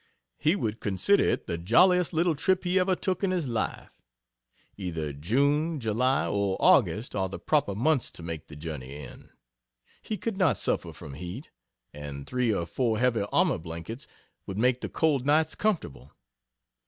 He would consider it the jolliest little trip he ever took in his life. Either June, July, or August are the proper months to make the journey in. He could not suffer from heat, and three or four heavy army blankets would make the cold nights comfortable.